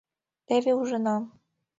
— Теве ужына...